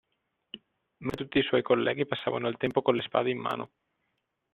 Mentre tutti i suoi colleghi passavano il tempo con le spade in mano.